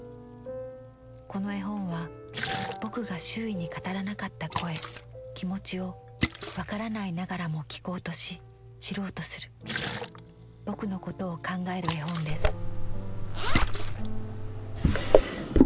この絵本は『ぼく』が周囲に語らなかった声気持ちをわからないながらも聞こうとし知ろうとする『ぼく』のことを考える絵本です」。